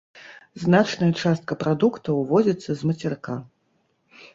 Значная частка прадуктаў увозіцца з мацерыка.